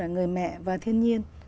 người mẹ và thiên nhiên